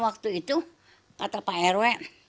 kata pak rw